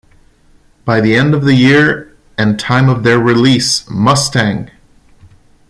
By the end of the year and time of their release, Mustang!